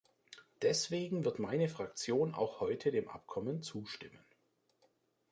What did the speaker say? Deswegen wird meine Fraktion auch heute dem Abkommen zustimmen.